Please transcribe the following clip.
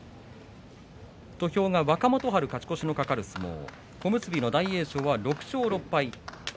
土俵が若元春、勝ち越しの懸かる相撲小結の大栄翔は６勝６敗。